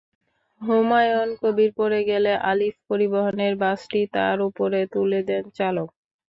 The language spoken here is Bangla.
হুমায়ুন কবির পড়ে গেলে আলিফ পরিবহনের বাসটি তাঁর ওপর তুলে দেন চালক।